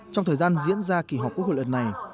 trong thời gian diễn ra kỷ họp quốc hội luật này